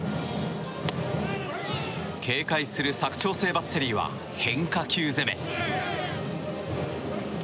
警戒する佐久長聖バッテリーは変化球攻め。